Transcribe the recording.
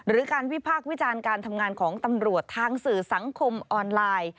หรือการวิพากษ์วิจารณ์การทำงานของตำรวจทางสื่อสังคมออนไลน์